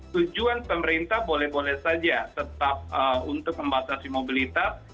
tujuan pemerintah boleh boleh saja tetap untuk membatasi mobilitas